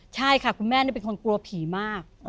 ใช่ค่ะคุณแม่นี่เป็นคนกลัวผีมาก